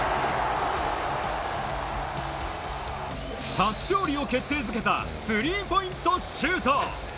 初勝利を決定づけたスリーポイントシュート。